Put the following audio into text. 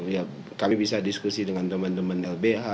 ya kami bisa diskusi dengan teman teman lbh